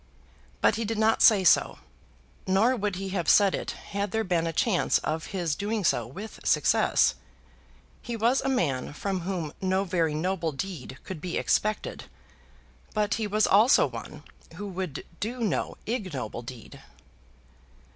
But he did not say so. Nor would he have said it had there been a chance of his doing so with success. He was a man from whom no very noble deed could be expected; but he was also one who would do no ignoble deed.